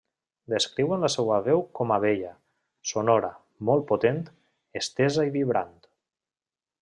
Descriuen la seva veu com a bella, sonora, molt potent, estesa i vibrant.